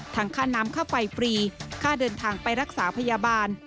ค่าน้ำค่าไฟฟรีค่าเดินทางไปรักษาพยาบาล